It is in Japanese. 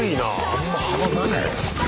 あんま幅ないよ。